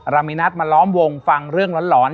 มีนัดมาล้อมวงฟังเรื่องหลอน